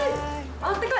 あったかい。